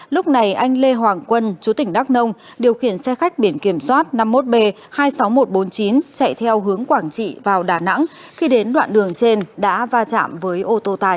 lúc này anh lê hoàng quân chú tỉnh đắk nông điều khiển xe khách biển kiểm soát năm mươi một b hai mươi sáu nghìn một trăm bốn mươi chín chạy theo hướng quảng trị vào đà nẵng khi đến đoạn đường trên đã va chạm với ô tô tải